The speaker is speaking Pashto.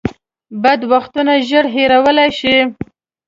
بد وختونه ژر هېرولی شئ .